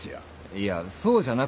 いやそうじゃなくて。